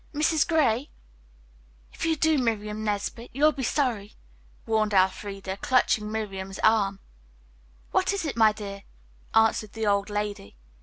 "Mrs. Gray " "If you do, Miriam Nesbit, you'll be sorry," warned Elfreda, clutching Miriam's arm. "What is it, my dear?" answered the old lady.